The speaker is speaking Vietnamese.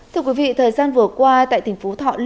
thưa quý vị thời gian vừa qua tại tp thọ